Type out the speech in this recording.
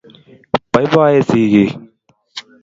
poipoen sikik